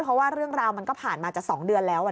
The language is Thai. เพราะว่าเรื่องราวมันก็ผ่านมาจะ๒เดือนแล้ว